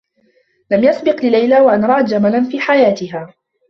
لم يسبق لليلى و أن رأت جملا في حياتها.